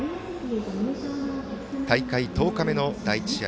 大会１０日目の第１試合。